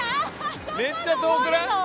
めっちゃ遠くない？